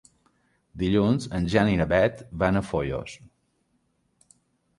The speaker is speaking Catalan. Dilluns en Jan i na Beth van a Foios.